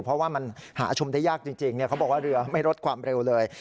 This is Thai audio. เพราะว่ามันหาชมได้ยากจริงเขาบอกว่าเรือไม่ลดความเร็วเลย